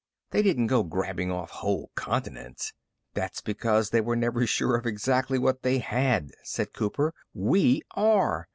They didn't go grabbing off whole continents." "That's because they were never sure of exactly what they had," said Cooper. "We are.